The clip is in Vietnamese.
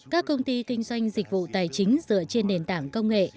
các công ty kinh doanh dịch vụ tài chính dựa trên nền tảng công nghệ